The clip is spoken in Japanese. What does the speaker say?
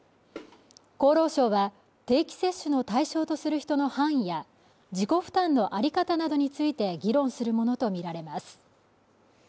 厚労省は定期接種の対象とする人の範囲や自己負担の在り方などについて議論するものと見られます